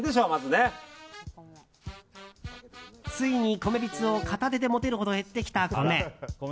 ついに米びつを片手で持てるほど減ってきた米。